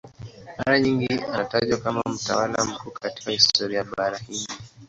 Mara nyingi anatajwa kama mtawala mkuu katika historia ya Bara Hindi.